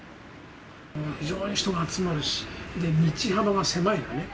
非常に人が集まるし、で、道幅が狭いのね。